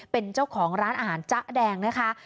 เป็นเจ้าของร้านอาหารจ๊ะแดงนะคะ